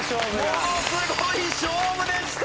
ものすごい勝負でした！